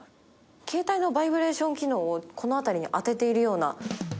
携帯のバイブレーション機能をこの辺りに当てているような。